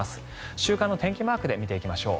週間の天気マークで見ていきましょう。